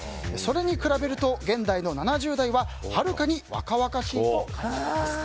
それに比べると現代の７０台ははるかに若々しいと感じています。